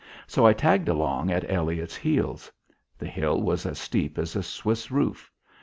So I tagged along at Elliott's heels. The hill was as steep as a Swiss roof.